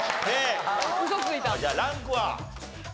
じゃあランクは？